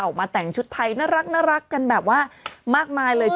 ออกมาแต่งชุดไทยนารักกันแบบว่า